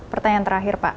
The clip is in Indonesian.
pertanyaan terakhir pak